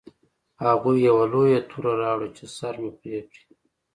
هغوی یوه لویه توره راوړه چې سر مې پرې کړي